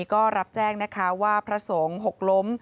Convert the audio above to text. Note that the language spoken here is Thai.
ก็รับแจ้งนะคะว่าพระสงฆ์หกล้ม